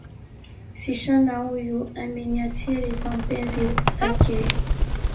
msichana huyu ameniathiri kwa penzi lake.